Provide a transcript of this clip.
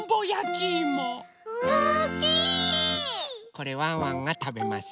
これワンワンがたべます。